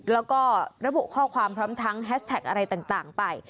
แล้วก็ระบุข้อความพร้อมทั้งแฮชแท็กอะไรต่างไป